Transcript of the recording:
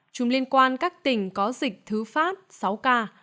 chùm liên quan các tỉnh có dịch thứ phát sáu ca